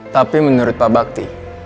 tapi menurut pak bakty